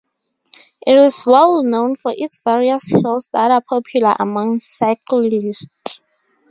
It is well known for its various hills that are popular among cyclists.